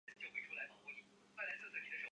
数学字母数字符号的正式名称。